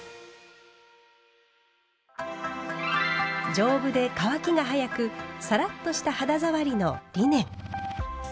丈夫で乾きが早くサラッとした肌触りのリネン。